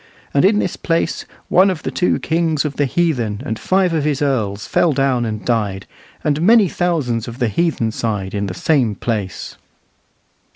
And in this place one of the two kings of the heathen and five of his earls fell down and died, and many thousands of the heathen side in the same place."